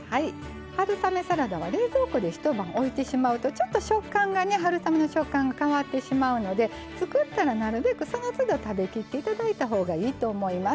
春雨サラダは冷蔵庫で一晩、置いてしまうとちょっと春雨の食感が変わってしまうので作ったら、なるべくそのつど食べきっていただいたほうがいいと思います。